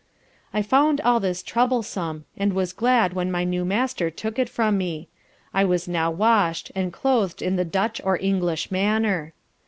I found all this troublesome, and was glad when my new Master took it from me I was now washed, and clothed in the Dutch or English manner.